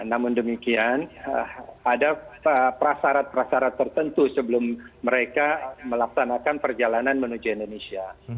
namun demikian ada prasarat prasarat tertentu sebelum mereka melaksanakan perjalanan menuju indonesia